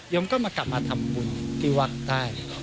มก็มากลับมาทำบุญที่วัดได้